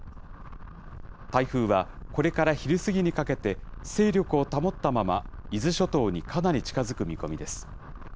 台風はこれから昼過ぎにかけて、勢力を保ったまま伊豆諸島にかなり近づく見込みです。